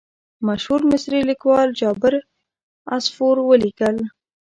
مشهور مصري لیکوال جابر عصفور ولیکل.